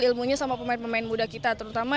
ilmunya sama pemain pemain muda kita terutama